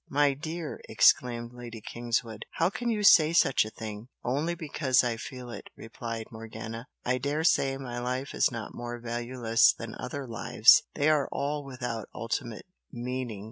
"My dear!" exclaimed Lady Kingswood "How can you say such a thing!" "Only because I feel it" replied Morgana "I dare say my life is not more valueless than other lives they are all without ultimate meaning.